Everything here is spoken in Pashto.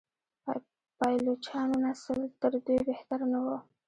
پایلوچانو نسل تر دوی بهتر نه و.